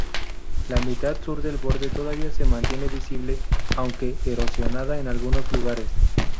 La mitad sur del borde todavía se mantiene visible, aunque erosionada en algunos lugares.